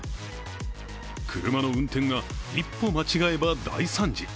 車の運転は一歩間違えば大惨事。